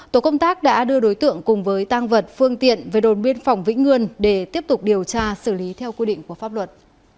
tổ công tác đã đưa đối tượng cùng với tăng vật phương tiện về đồn biên phòng vĩnh ngươn để tiếp tục điều tra xử lý theo quy định của pháp luật